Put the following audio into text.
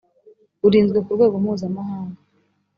urinzwe ku rwego mpuzamahanga